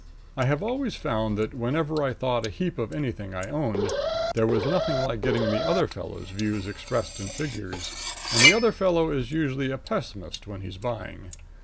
I have always found that, whenever I thought a heap of anything I owned, there was nothing like getting the other fellow's views expressed in figures; and the other fellow is usually a pessimist when he's buying.